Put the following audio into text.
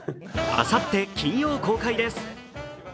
あさって金曜、公開です。